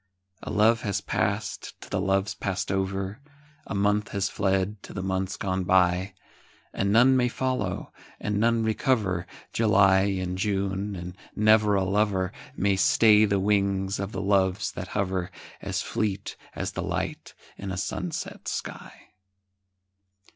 A love has passed to the loves passed over, A month has fled to the months gone by; And none may follow, and none recover July and June, and never a lover May stay the wings of the Loves that hover, As fleet as the light in a sunset sky.